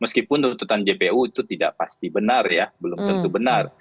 meskipun tuntutan jpu itu tidak pasti benar ya belum tentu benar